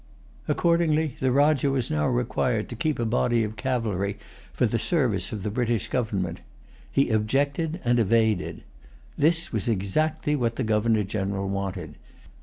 Accordingly, the Rajah was now required to keep a body of cavalry for the service of[Pg 184] the British government. He objected and evaded. This was exactly what the Governor General wanted.